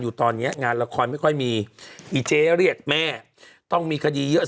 ตอนเนี้ยงานละครไม่ค่อยมีอีเจ๊เรียกแม่ต้องมีคดีเยอะ